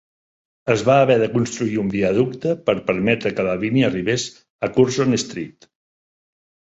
Es va haver de construir un viaducte per permetre que la línia arribés a Curzon Street.